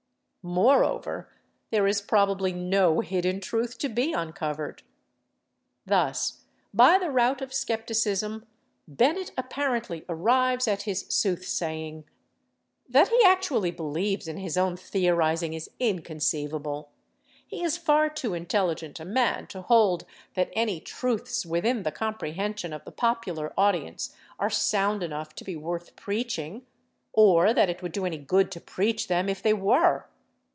Moreover, there is probably no hidden truth to be uncovered. Thus, by the route of skepticism, Bennett apparently arrives at his sooth saying. That he actually believes in his own theorizing is inconceivable. He is far too intelligent a man to hold that any truths within the comprehension of the popular audience are sound enough to be worth preaching, or that it would do any good to preach them if they were.